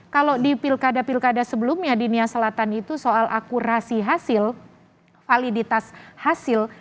kalau di pilkada pilkada sebelumnya di nia selatan itu soal akurasi hasil validitas hasil